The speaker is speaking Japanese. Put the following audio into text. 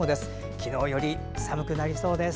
昨日より寒くなりそうです。